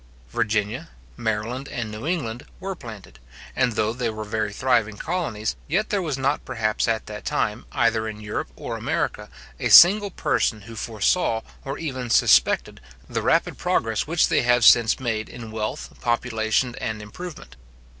Virginia, Maryland, and New England were planted; and though they were very thriving colonies, yet there was not perhaps at that time, either in Europe or America, a single person who foresaw, or even suspected, the rapid progress which they have since made in wealth, population, and improvement.